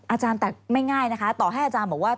อาจารย์แต่ไม่ง่ายนะคะต่อให้อาจารย์บอกว่า